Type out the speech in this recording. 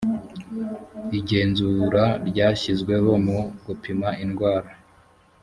igenzura ryashyizweho mu gupima indwara